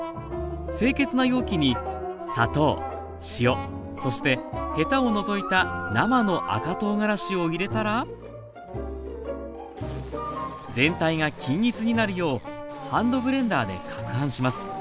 清潔な容器に砂糖塩そしてヘタを除いた生の赤とうがらしを入れたら全体が均一になるようハンドブレンダーでかくはんします